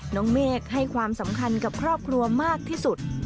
เมฆให้ความสำคัญกับครอบครัวมากที่สุด